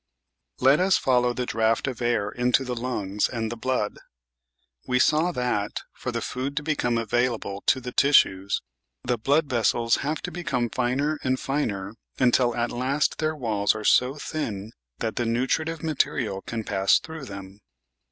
Let us follow the draught of air into the lungs and the blood. We saw that, for the food to become available to the tissues, the blood vessels have to become finer and finer until at last their walls are so thin that the nutritive material can pass through them.